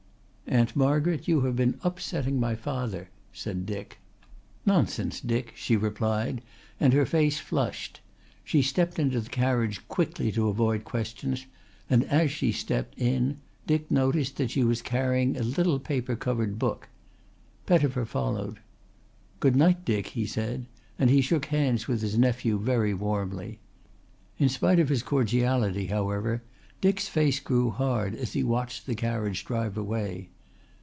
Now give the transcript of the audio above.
"Aunt Margaret, you have been upsetting my father," said Dick. "Nonsense, Dick," she replied, and her face flushed. She stepped into the carriage quickly to avoid questions, and as she stepped in Dick noticed that she was carrying a little paper covered book. Pettifer followed. "Good night, Dick," he said, and he shook hands with his nephew very warmly. In spite of his cordiality, however, Dick's face grew hard as he watched the carriage drive away.